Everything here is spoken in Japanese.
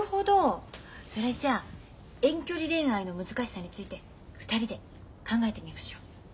それじゃ遠距離恋愛の難しさについて２人で考えてみましょう。